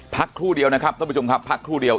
ครู่เดียวนะครับท่านผู้ชมครับพักครู่เดียว